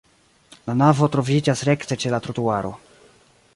La navo troviĝas rekte ĉe la trotuaro.